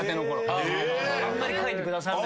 あんまり書いてくださらない。